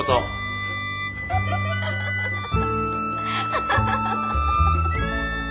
アハハハ。